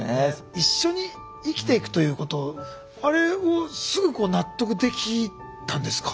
一緒に生きていくということあれはすぐ納得できたんですか？